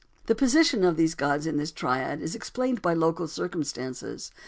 The position of these gods in this triad is explained by local circumstances.